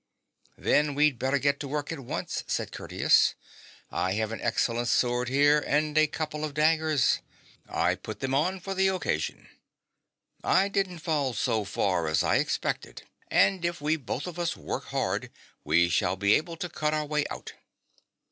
' Then we'd better get to work at once,' said Curtius. ' I have an excellent sword here and a couple of daggers. I put them on for the occasion. I didn't fall so far as I expected, and if we both of us work hard we shall be able to cut our way out.'